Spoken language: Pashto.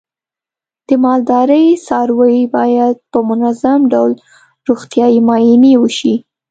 د مالدارۍ څاروی باید په منظم ډول روغتیايي معاینې وشي.